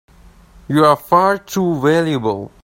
You're far too valuable!